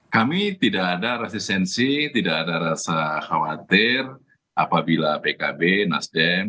kami tidak ada resistensi tidak ada rasa khawatir apabila pkb nasdem